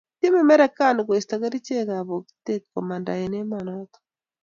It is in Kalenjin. tiemei Marekani koisto kerichekab bokitee komanda eng emonoto